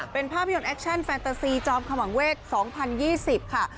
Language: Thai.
เป็นภาพยนตร์แอคชั่นแฟนเตอร์ซีจอมขมังเวศ๒๐๒๐ค่ะ